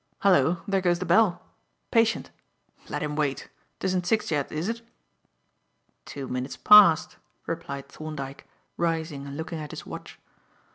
Hallo! There goes the bell. Patient. Let him wait. 'Tisn't six yet, is it?" "Two minutes past," replied Thorndyke, rising and looking at his watch.